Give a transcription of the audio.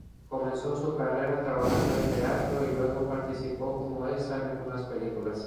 Comenzó su carrera trabajando en teatro y luego participó como extra en algunas películas.